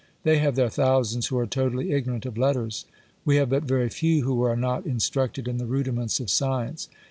They have their thousands who are totally ignorant of letters ; we have but very few, who are not instruct ed in the rudiments of science.